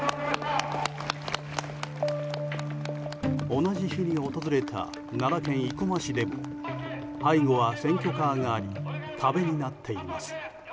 同じ日に訪れた奈良県生駒市でも背後は選挙カーがあり壁になっています。